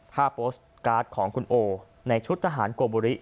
ผ้าโปสการ์ดของคุณโอในชุดทหารกวบุริ